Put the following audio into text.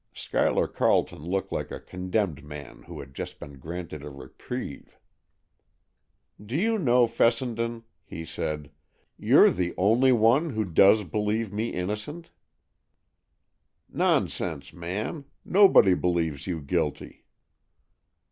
Schuyler Carleton looked like a condemned man who has just been granted a reprieve. "Do you know, Fessenden," he said, "you're the only one who does believe me innocent?" "Nonsense, man! Nobody believes you guilty."